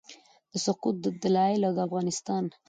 د سقوط دلایل او د افغانستان